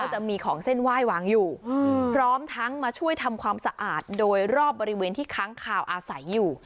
จะมีของเส้นไหว้วางอยู่พร้อมทั้งมาช่วยทำความสะอาดโดยรอบบริเวณที่ค้างคาวอาศัยอยู่